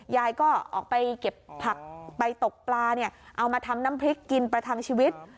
ยายก็ออกไปเก็บผักไปตกปลาเนี่ยเอามาทำน้ำพริกกินประทังชีวิต